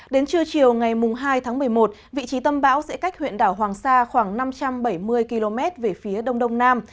đến trưa chiều ngày hai tháng một mươi một vị trí tâm bão sẽ cách huyện đảo hoàng sa khoảng năm trăm bảy mươi km về phía đông đông nam